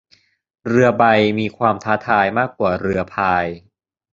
เรือใบมีความท้าทายมากกว่าเรือพาย